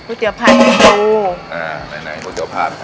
ก๋วยเตี๋ยวผัดก๋วยปูอ่าไหนก๋วยเตี๋ยวผัด